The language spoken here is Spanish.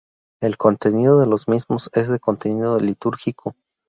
El contenido de los mismos es de contenido litúrgico.